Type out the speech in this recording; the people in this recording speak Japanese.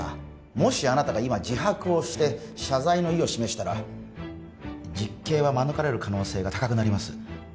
もしあなたが今自白をして謝罪の意を示したら実刑は免れる可能性が高くなります